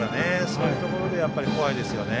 そういうところで怖いですね。